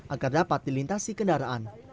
agar dapat dilintasi kendaraan